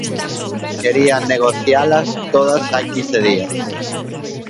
Querían negocialas todas hai quince días.